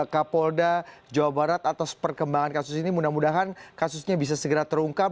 kapolda jawa barat atas perkembangan kasus ini mudah mudahan kasusnya bisa segera terungkap